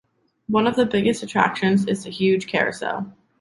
One of the biggest attractions is the huge carousel.